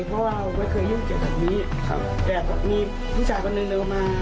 เพราะว่าเราไม่เคยยุ่งเจ็บแบบนี้ครับแต่แบบนี้ผู้ชายคนหนึ่งเดินมา